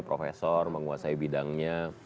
profesor menguasai bidangnya